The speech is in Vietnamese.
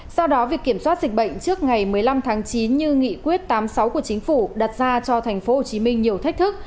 do đó việc kiểm soát dịch bệnh trước ngày một mươi năm tháng chín như nghị quyết tám mươi sáu của chính phủ đặt ra cho tp hcm nhiều thách thức